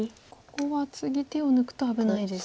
ここは次手を抜くと危ないですか。